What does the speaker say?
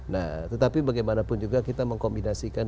nah tetapi bagaimanapun juga kita mengkombinasikan